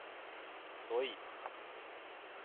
所以